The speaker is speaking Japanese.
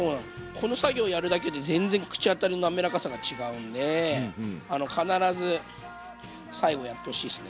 この作業やるだけで全然口当たりのなめらかさが違うんで必ず最後やってほしいですね。